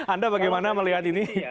anda bagaimana melihat ini